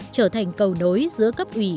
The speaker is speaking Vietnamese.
trở thành cầu nối giữa cấp ủy